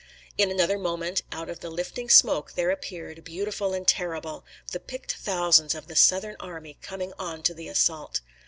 In another moment, out of the lifting smoke there appeared, beautiful and terrible, the picked thousands of the Southern army coming on to the assault.